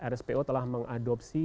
rspo telah mengadopsi